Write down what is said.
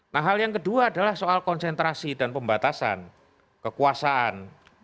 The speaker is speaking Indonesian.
nah hal yang kedua adalah soal konsentrasi dan pembatasan kekuasaan